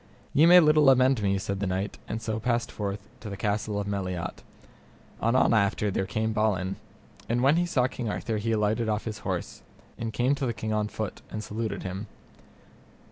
Ye may little amend me, said the knight, and so passed forth to the castle of Meliot. Anon after there came Balin, and when he saw King Arthur he alighted off his horse, and came to the King on foot, and saluted him.